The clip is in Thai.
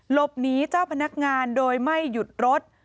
หลบหนีเจ้าพนักงานโดยไม่หยุดรถ